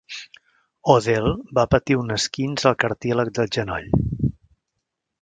O'Dell va patir un esquinç al cartílag del genoll.